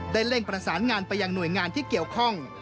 เร่งประสานงานไปยังหน่วยงานที่เกี่ยวข้อง